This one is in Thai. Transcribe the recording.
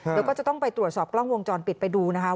เดี๋ยวก็จะต้องไปตรวจสอบกล้องวงจรปิดไปดูนะคะ